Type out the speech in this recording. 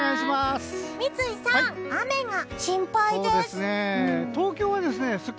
三井さん、雨が心配です。